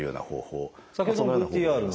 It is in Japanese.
先ほどのＶＴＲの。